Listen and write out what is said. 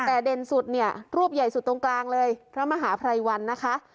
แต่เด่นสุดเนี่ยรูปใหญ่สุดตรงกลางเลยพระมหาภัยวันนะคะ